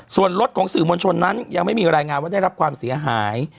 ส่วนรถของสื่อมวลชนนั้นยังไม่มีรายงานว่าได้รับความเสียหาย